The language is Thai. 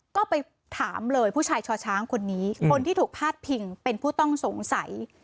ก็ไปถามเลยผู้ชายชอช้างคนนี้คนที่ถูกพาดพิงเป็นผู้ต้องสงสัย